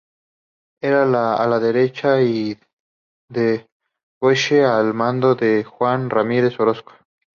Era el ala derecha de Goyeneche al mando de Juan Ramírez Orozco.